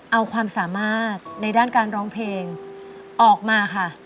เอาความสามารถในด้านการร้องเพลงออกมาค่ะ